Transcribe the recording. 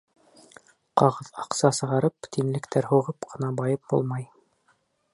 Ҡағыҙ аҡса сығарып, тинлектәр һуғып ҡына байып булмай.